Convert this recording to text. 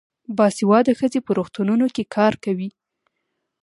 باسواده ښځې په روغتونونو کې کار کوي.